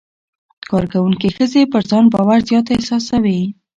کارکوونکې ښځې پر ځان باور زیات احساسوي.